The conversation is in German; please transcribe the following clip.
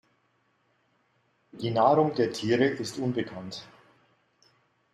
Die Nahrung der Tiere ist unbekannt.